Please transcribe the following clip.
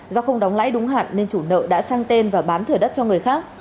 do không đóng lãi đúng hạn nên chủ nợ đã sang tên và bán thửa đất cho người khác